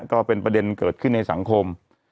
ก็เป็นประเด็นเกิดขึ้นในสังคม